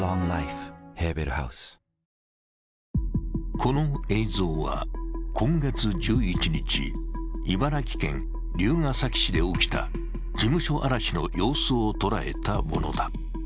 この映像は今月１１日、茨城県龍ケ崎市で起きた事務所荒らしの様子を捉えたものだ。